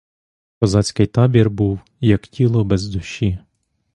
Козацький табір був, як тіло без душі.